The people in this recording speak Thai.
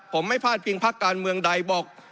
ผมไม่พลาดพิงพักการเมืองใดบอก